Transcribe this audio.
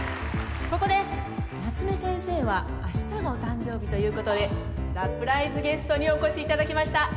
ここで夏目先生はあしたがお誕生日ということでサプライズゲストにお越しいただきました。